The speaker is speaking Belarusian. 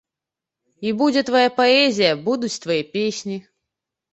І будзе твая паэзія, будуць твае песні.